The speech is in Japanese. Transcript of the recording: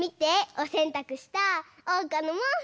おせんたくしたおうかのもうふ！